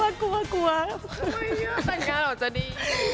เยี่ยมมากจังแต่งงานเอาจะดี